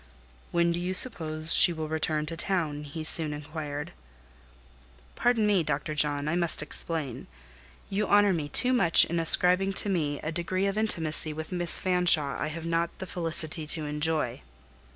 "When do you suppose she will return to town?" he soon inquired. "Pardon me, Dr. John, I must explain. You honour me too much in ascribing to me a degree of intimacy with Miss Fanshawe I have not the felicity to enjoy.